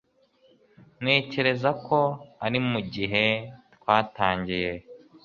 ntekereza ko ari mugihe twatangiye